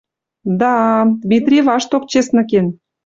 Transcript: Да-а, Димитрий вашток честно кен.